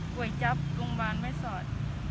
ปุ๋ยจั๊บโรงพยาบาลไม่สอด